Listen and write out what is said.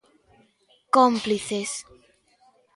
Cómplices.